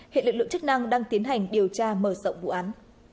hiện lực lượng chức năng đang tiến hành điều tra mở rộng vụ án